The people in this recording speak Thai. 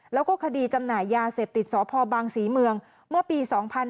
แล้วก็คดีจำหน่ายยาเสพติดสพบางศรีเมืองเมื่อปี๒๕๕๙